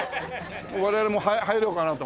我々も入ろうかなと思って。